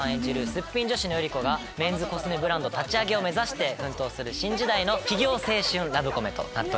スッピン女子の頼子がメンズコスメブランド立ち上げを目指して奮闘する新時代の起業青春ラブコメとなっております。